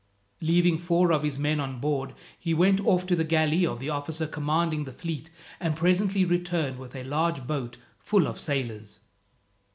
Leaving four of his men on board he went off to the galley of the officer commanding the fleet, and presently returned with a large boat full of sailors.